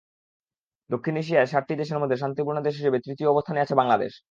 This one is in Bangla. দক্ষিণ এশিয়ার সাতটি দেশের মধ্যে শান্তিপূর্ণ দেশ হিসেবে তৃতীয় অবস্থানে আছে বাংলাদেশ।